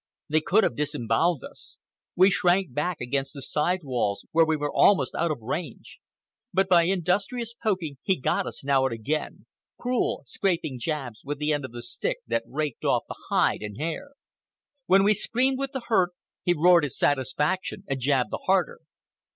They could have disembowelled us. We shrank back against the side walls, where we were almost out of range. But by industrious poking he got us now and again—cruel, scraping jabs with the end of the stick that raked off the hide and hair. When we screamed with the hurt, he roared his satisfaction and jabbed the harder.